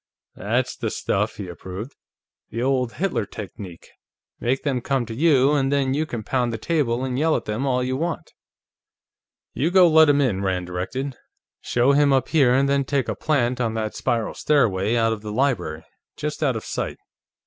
"That's the stuff," he approved. "The old Hitler technique; make them come to you, and then you can pound the table and yell at them all you want to." "You go let him in," Rand directed. "Show him up here, and then take a plant on that spiral stairway out of the library, just out of sight.